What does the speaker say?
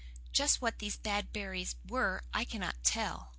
Just what these "bad berries" were I cannot tell.